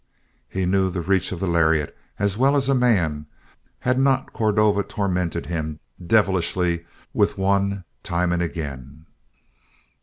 He knew the reach of a lariat as well as a man; had not Cordova tormented him devilishly with one time and again?